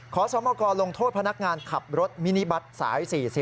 ขอสมกรลงโทษพนักงานขับรถมินิบัตรสาย๔๐